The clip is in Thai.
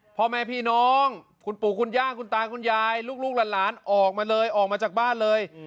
พ่อแม่พี่น้องคุณปู่คุณย่าคุณตาคุณยายลูกหลานออกมาเลยออกมาจากบ้านเลย